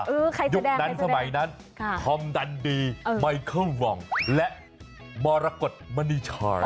ใครแสดงใครแสดงยุคนั้นสมัยนั้นคอมดันดีไมค์เคิลวองและมรกฎมันนี่ชาร์ด